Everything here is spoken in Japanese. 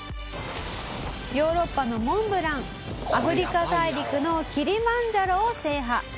「ヨーロッパのモンブランアフリカ大陸のキリマンジャロを制覇」